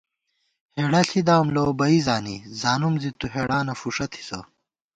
ہېڑہ ݪِداؤم لَؤ بئ زانی، زانُم زی تُو ہېڑانہ فُݭہ تھِسہ